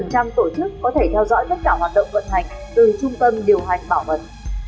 chỉ năm mươi hai tổ chức có thể theo dõi tất cả hoạt động vận hành từ trung tâm điều hành bảo mật